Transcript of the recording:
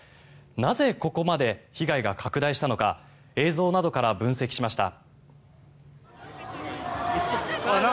なぜここまで被害が拡大したのか映像などから分析しました。